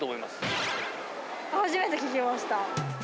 初めて聞きました。